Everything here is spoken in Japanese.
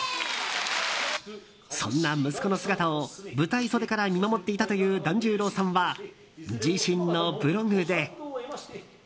そんな息子の姿を舞台袖から見守っていたという團十郎さんは自身のブログで。